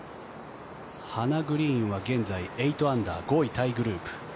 ハナ・グリーンは現在８アンダー５位タイグループ。